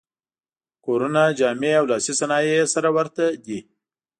کورونه، جامې او لاسي صنایع یې سره ورته دي.